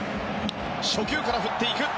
初球から振っていく。